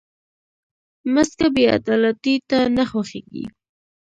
مځکه بېعدالتۍ ته نه خوښېږي.